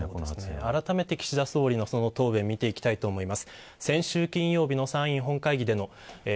あらためて岸田総理の答弁を見ていきたいと思います。